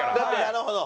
なるほど。